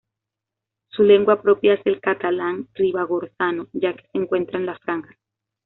Su lengua propia es el catalán ribagorzano, ya que se encuentra en la Franja.